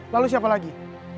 lalu siapa lagi